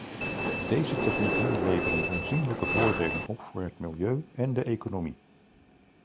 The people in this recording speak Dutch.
Deze technieken leveren aanzienlijke voordelen op voor het milieu en de economie.